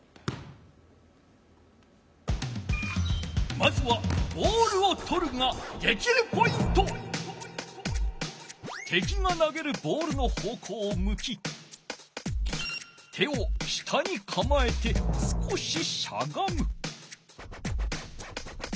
まずはてきがなげるボールの方こうをむき手を下にかまえて少ししゃがむ。